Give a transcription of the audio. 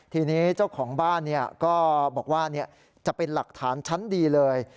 ทีนี้เจ้าของบ้านก็บอกว่าจะเป็นหลักฐานชั้นดีเลย